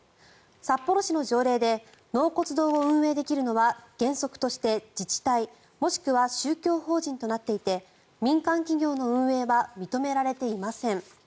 札幌市の条例で納骨堂を運営できるのは原則として自治体もしくは宗教法人となっていて民間企業の運営は認められていません。